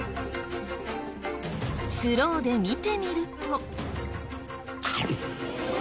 スローで見てみると。